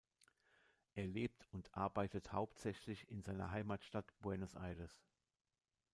Er lebt und arbeitet hauptsächlich in seiner Heimatstadt Buenos Aires.